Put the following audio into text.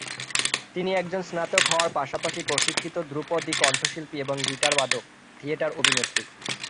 তিনি একজন স্নাতক হওয়ার পাশাপাশি প্রশিক্ষিত ধ্রুপদী কণ্ঠশিল্পী এবং গিটার বাদক, থিয়েটার অভিনেত্রী।